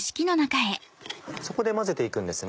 そこで混ぜて行くんですね。